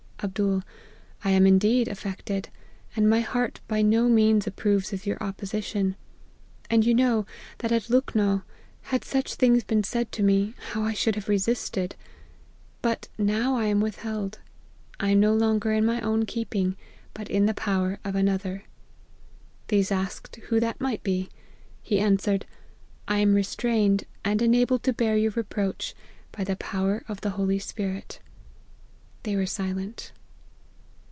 " tfbd.' I am, indeed, affected ; and my heart by no means approves of your opposition ; and you know, that at Lukhnow, had such things been said to me, how I should have resisted ; but now I am withheld. I am no longer in my own keeping, but in the power of another.' " These asked who that might be. He answer ed, * I am restrained, and enabled to bear your reproach, by the power of the Holy Spirit.' They were silent.